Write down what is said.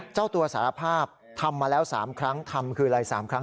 เจ้าตัวสารภาพทำมาแล้ว๓ครั้งทำคืออะไร๓ครั้ง